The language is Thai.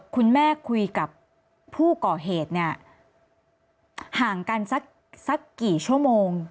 คุณแม่คุยกับผู้ก่อเหตุเนี่ยห่างกันสักกี่ชั่วโมง